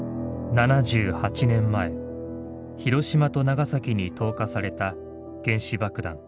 ７８年前広島と長崎に投下された原子爆弾。